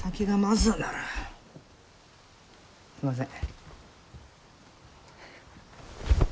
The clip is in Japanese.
すんません。